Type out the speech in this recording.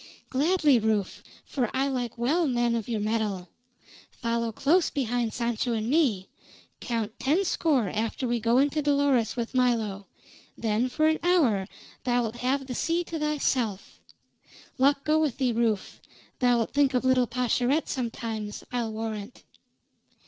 "Gladly, Rufe, for I like well men of your mettle. Follow close behind Sancho and me. Count ten score after we go in to Dolores with Milo, then for an hour thou'lt have the sea to thyself. Luck go with thee, Rufe; thou'lt think of little Pascherette sometimes, I'll warrant."